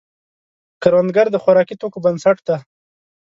کروندګر د خوراکي توکو بنسټ دی